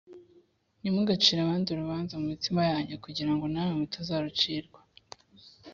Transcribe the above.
“ntimugacire abandi urubanza mu mitima yanyu, kugira ngo namwe mutazarucirwa